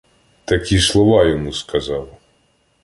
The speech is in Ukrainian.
Такі слова йому сказав: